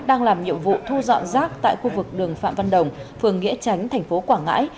đang làm nhiệm vụ thu dọn rác tại khu vực đường phạm văn đồng phường nghĩa tránh thành phố quảng ngãi